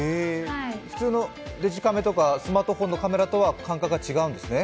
普通のデジカメとかスマートフォンのカメラとは違うんですね？